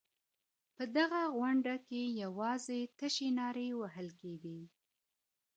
په دغه غونډه کې یوازې تشې نارې وهل کېدې.